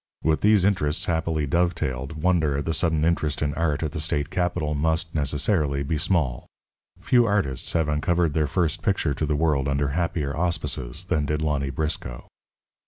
With these interests happily dovetailed, wonder at the sudden interest in art at the state capital must, necessarily, be small. Few artists have uncovered their first picture to the world under happier auspices than did Lonny Briscoe.